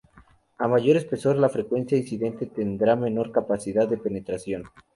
A mayor espesor, la frecuencia incidente tendrá menor capacidad de penetración.